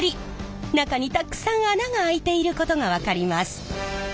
中にたくさん穴が開いていることが分かります！